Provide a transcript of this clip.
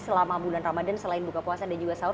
selama bulan ramadan selain buka puasa dan juga sahur